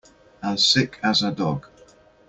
As sick as a dog.